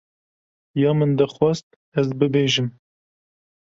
Ya min dixwast ez bibêjim.